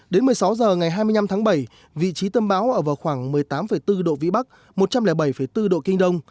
đến một mươi sáu h ngày hai mươi năm tháng bảy vị trí tâm bão ở vào khoảng một mươi tám bốn độ vĩ bắc một trăm linh bảy bốn độ kinh đông